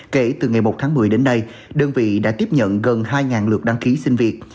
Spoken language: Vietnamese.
kể từ ngày một tháng một mươi đến nay đơn vị đã tiếp nhận gần hai lượt đăng ký sinh việc